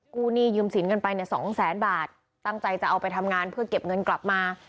หนี้ยืมสินกันไปเนี่ยสองแสนบาทตั้งใจจะเอาไปทำงานเพื่อเก็บเงินกลับมา